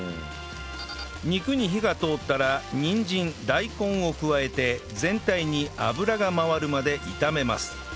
肉に火が通ったらにんじん大根を加えて全体に油が回るまで炒めます